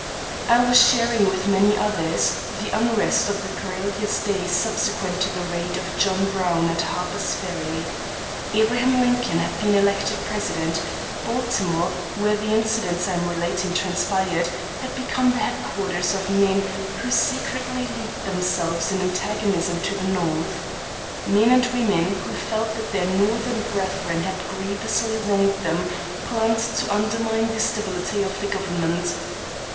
I was sharing with many others the unrest of the perilous days subsequent to the raid of John Brown at Harper's Ferry. Abraham Lincoln had been elected President. Baltimore, where the incidents I am relating transpired, had become the headquarters of men who secretly leagued themselves in antagonism to the North. Men and women who felt that their Northern brethren had grievously wronged them planned to undermine the stability of the government.